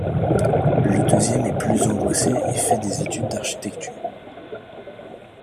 Le deuxième est plus angoissé et fait des études d'architecture.